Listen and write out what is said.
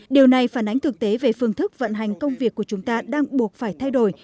điều này phản ánh thực tế về phương thức vận hành công việc của chúng ta đang buộc phải thay đổi